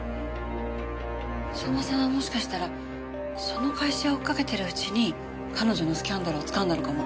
相馬さんはもしかしたらその会社を追いかけてるうちに彼女のスキャンダルをつかんだのかも。